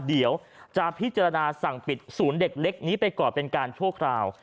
เดี๋ยวจะพิจารณาสั่งปิดศูนย์เด็กเล็กนี้ไปก่อนเป็นการชั่วคราว